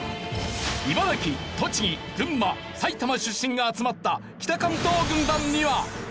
茨城栃木群馬埼玉出身が集まった北関東軍団には。